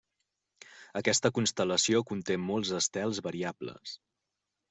Aquesta constel·lació conté molts estels variables.